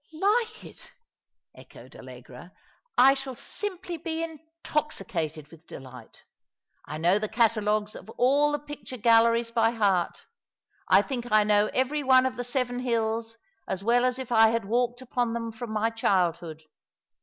*' Like it ?" echoed Allegra, " I shall simply be intoxicated with delight. I know the catalogues of all the picture galleries by heart. I think I know every one of the seven hills as well as if I had walked upon them from my childhood.